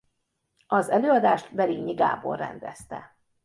Az előadást Berényi Gábor rendezte.